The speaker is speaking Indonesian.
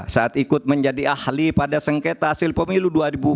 saat ikut menjadi ahli pada sengketa hasil pemilu dua ribu empat belas